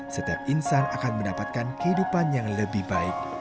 setiap insan akan mendapatkan kehidupan yang lebih baik